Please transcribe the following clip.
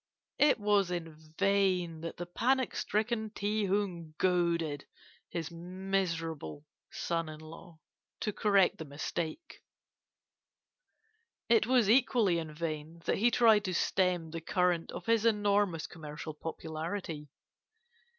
It was in vain that the panic stricken Ti Hung goaded his miserable son in law to correct the mistake; it was equally in vain that he tried to stem the current of his enormous commercial popularity.